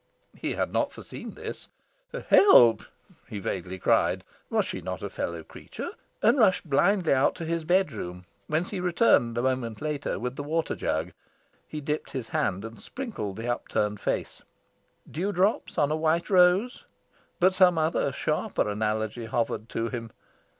He had not foreseen this. "Help!" he vaguely cried was she not a fellow creature? and rushed blindly out to his bedroom, whence he returned, a moment later, with the water jug. He dipped his hand, and sprinkled the upturned face (Dew drops on a white rose? But some other, sharper analogy hovered to him).